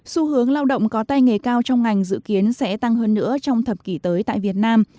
xu hướng lao động có tay nghề cao trong ngành dự kiến sẽ tăng hơn nữa trong thập kỷ tới tại việt nam